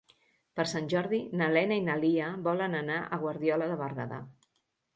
Per Sant Jordi na Lena i na Lia volen anar a Guardiola de Berguedà.